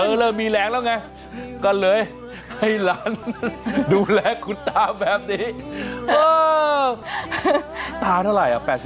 เริ่มมีแรงแล้วไงก็เลยให้หลานดูแลคุณตาแบบนี้เออตาเท่าไหร่อ่ะ๘๐